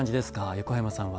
横山さんは。